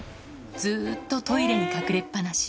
ずーっとトイレに隠れっぱなし。